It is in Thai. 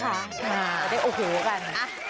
ไปด้วยโอ้โหกัน